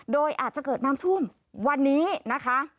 โดยอาจจะเกิดน้ำท่วมวันนี้นะคะ